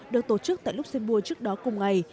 được tổ chức tại luxembourg trước đó cùng ngày